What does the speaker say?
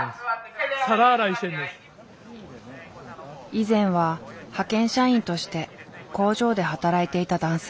以前は派遣社員として工場で働いていた男性。